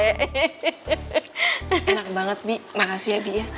enak banget bi makasih ya bi ya